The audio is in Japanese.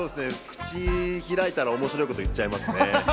口開いたら面白いこと言っちゃいますよね。